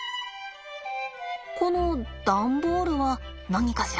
この段ボールは何かしら。